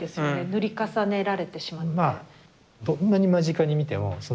塗り重ねられてしまって。